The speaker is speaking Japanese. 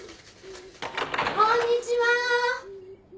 ・・こんにちは。